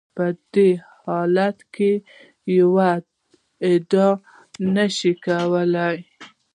په دې حالت کې یوه ادعا نشو کولای.